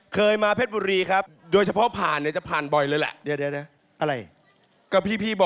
เคยมาเพชรบุรีครับ